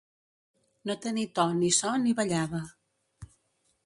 No tenir to, ni so, ni ballada.